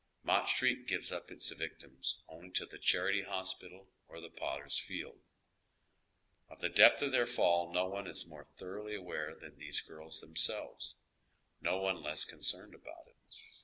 Mott Street gives np its victims only to the Charity Hospital or tlie Potter's Field. Of the depth of their fall no one is more thoroughly aware than these girls themselves ; no one less concerned about it.